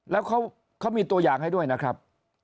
แล้วเขามีตัวอย่างให้ด้วยนะครับ